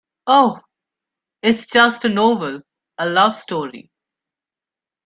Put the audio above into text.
Oh, it's just a novel, a love story.